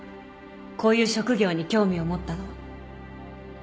こういう職業に興味を持ったのは。